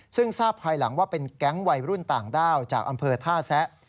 ซึ่งทราบภายหลังว่าเป็นแก๊งวัยรุ่นต่างด้าวจากอำเภอท่าแซะ